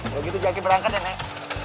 kalo gitu jaga berangkat ya nek